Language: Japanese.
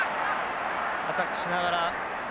アタックしながら。